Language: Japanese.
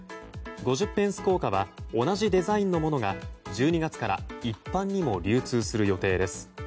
５０ペンス硬貨は同じデザインのものが１２月から一般にも流通する予定です。